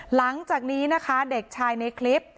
หลังจากนี้นะคะเด็กชายในคลิป